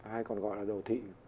ai còn gọi là đồ thị